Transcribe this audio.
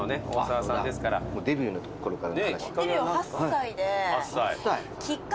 デビューのころから。